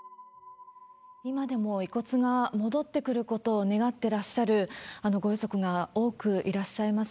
今でも遺骨が戻ってくることを願ってらっしゃるご遺族が多くいらっしゃいます。